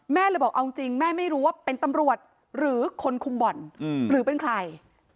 แม่เลยบอกเอาจริงแม่ไม่รู้ว่าเป็นตำรวจหรือคนคุมบ่อนหรือเป็นใคร